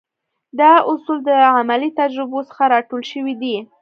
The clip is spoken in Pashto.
دا اصول له عملي تجربو څخه را ټول شوي دي.